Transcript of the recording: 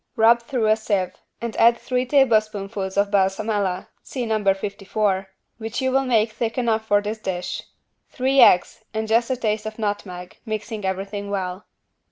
Rub through a sieve and add three tablespoonfuls of =Balsamella= (see No. 54) which you will make thick enough for this dish, three eggs and just a taste of nutmeg, mixing everything well.